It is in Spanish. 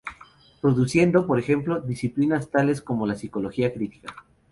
Produciendo, por ejemplo: disciplinas tales como la psicología crítica.